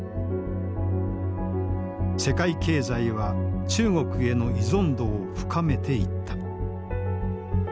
世界経済は中国への依存度を深めていった。